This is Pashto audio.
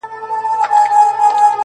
له شنو دښتونو به سندري د کیږدیو راځي،